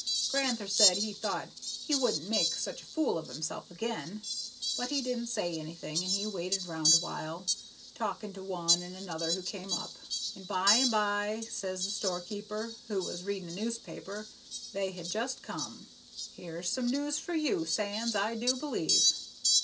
Gran'ther said he thought he wouldn't make such a fool of himself again, but he didn't say anything, and he waited round awhile, talking to one and another who came up, and by and by says the store keeper, who was reading a newspaper that had just come, 'Here's some news for you, Sands, I do believe!